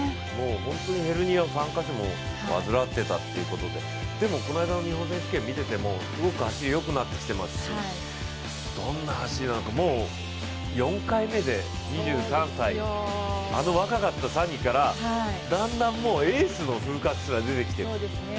本当にヘルニア３カ所患ってたということででもこの間の日本選手権を見ても走りがすごくよくなってますしどんな走りなのか、もう４回目で２３歳、あの若かったサニからだんだんエースの風格すら出てきてる。